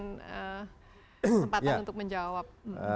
kesempatan untuk menjawab